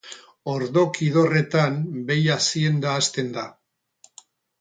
Ordoki idorretan behi azienda hazten da.